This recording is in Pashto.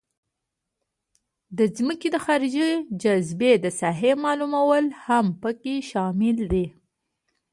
د ځمکې د خارجي جاذبې د ساحې معلومول هم پکې شامل دي